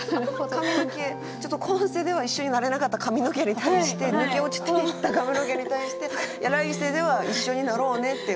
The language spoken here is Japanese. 髪の毛ちょっと今世では一緒になれなかった髪の毛に対して抜け落ちていった髪の毛に対して「来世では一緒になろうね」ってこう毛根などに。